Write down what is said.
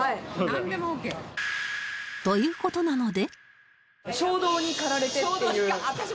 という事なので